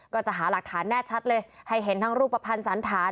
ก็จะหาหลักฐานแน่ชัดเลยให้เห็นทั้งรูปภัณฑ์สันธาร